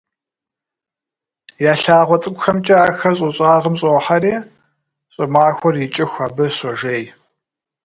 Я лъагъуэ цӏыкӏухэмкӏэ ахэр щӏы щӏагъым щӏохьэри, щӏымахуэр икӏыху абы щожей.